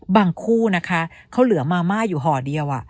คู่นะคะเขาเหลือมาม่าอยู่ห่อเดียว